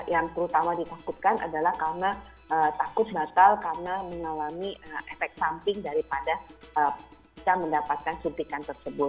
yang terutama ditakutkan adalah karena takut batal karena mengalami efek samping daripada bisa mendapatkan suntikan tersebut